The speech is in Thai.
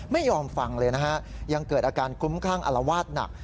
ไม่ยอมฟังเลยยังเกิดอาการกุ้มข้างอลวาดหนัก